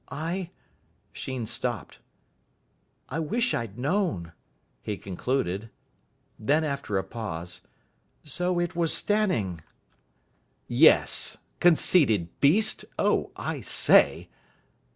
"I " Sheen stopped. "I wish I'd known," he concluded. Then, after a pause, "So it was Stanning!" "Yes, conceited beast. Oh. I say."